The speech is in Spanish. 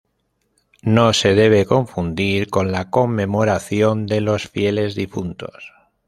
No se debe confundir con la Conmemoración de los Fieles Difuntos.